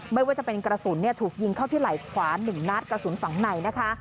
ไม่ว่าจะเป็นกระสุนถูกยิงเข้าที่ไหล่ขวา๑นัดกระสุนฝั่งในนะคะ